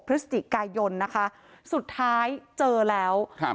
พฤศจิกายนนะคะสุดท้ายเจอแล้วครับ